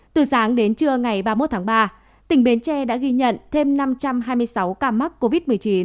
từ sáng đến trưa ngày ba mươi một tháng ba tỉnh bến tre đã ghi nhận thêm năm trăm hai mươi sáu ca mắc covid một mươi chín